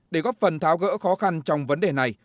để góp phần tháo gỡ khó khăn trong vấn đề này